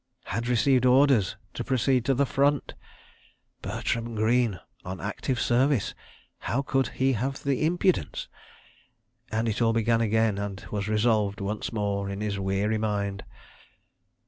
... had received orders to proceed to the Front. ... Bertram Greene on Active Service! How could he have the impudence—and it all began again and was revolved once more in his weary mind.